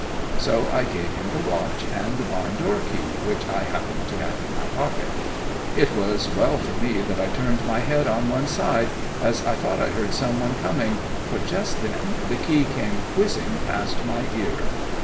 So I gave him the watch and the barn door key, which I happened to have in my pocket. It was well for me that I turned my head on one side, as I thought I heard some one coming, for just then the key came whizzing past my ear.